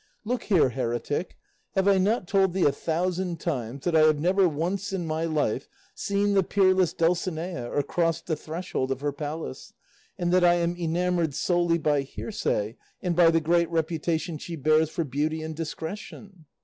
"Look here, heretic, have I not told thee a thousand times that I have never once in my life seen the peerless Dulcinea or crossed the threshold of her palace, and that I am enamoured solely by hearsay and by the great reputation she bears for beauty and discretion?"